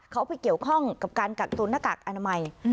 เขาไปเกี่ยวข้องกับการกักตุนหน้ากากอนามัย